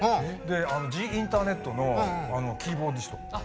ジ・インターネットのキーボーディスト。